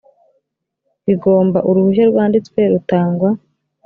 bigomba uruhushya rwanditswe rutangwa